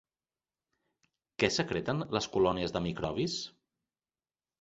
Què secreten les colònies de microbis?